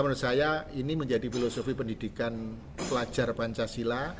menurut saya ini menjadi filosofi pendidikan pelajar pancasila